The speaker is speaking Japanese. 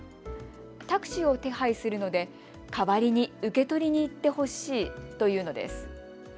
タクシーを手配するので代わりに受け取りに行ってほしいというのです。